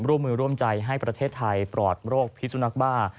ร่วมมือร่วมใจให้ประเทศไทยปลอดโรคพิสุนักบ้า